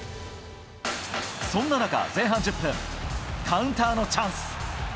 そんな中、前半１０分、カウンターのチャンス。